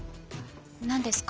何ですか？